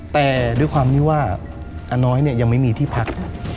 แต่ความที่ว่าอันน้อยยังไม่มีที่พัก